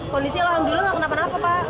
kondisi alhamdulillah nggak kenapa kenapa pak